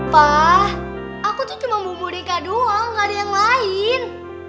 pak aku itu cuma bumbu dingka doang gak ada yang lain